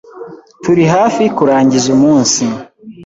Turi hafi kurangiza umunsi.